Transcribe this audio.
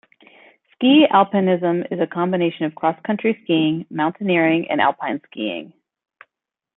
Ski-alpinism is a combination of cross-country skiing, mountaineering and alpine skiing.